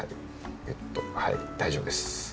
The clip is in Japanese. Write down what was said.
ギュッとはい大丈夫です。